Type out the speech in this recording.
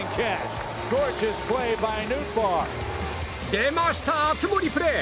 出ました、熱盛プレー！